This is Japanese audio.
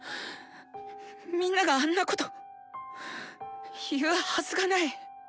みんながあんなこと言うはずがない。